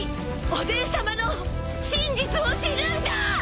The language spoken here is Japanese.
おでんさまの真実を知るんだ！